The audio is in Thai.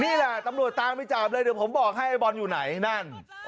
นี่แหละตำรวจตามไปจับเลยเดี๋ยวผมบอกให้ไอ้บอลอยู่ไหนนั่น